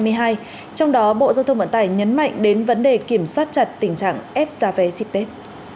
trong đó bộ giao thông vận tải nhấn mạnh đến vấn đề kiểm soát chặt tình trạng ép giá vé dịp tết